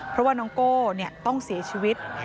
เพราะว่าน้องโก้ต้องเสียชีวิต